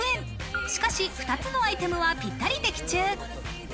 しかし、２つのアイテムはぴったり的中。